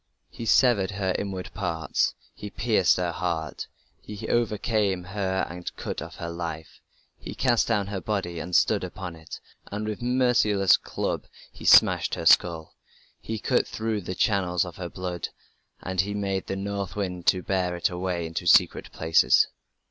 He severed her inward parts, he pierced her heart, He overcame her and cut off her life; He cast down her body and stood upon it ... And with merciless club he smashed her skull. He cut through the channels of her blood, And he made the north wind to bear it away into secret places.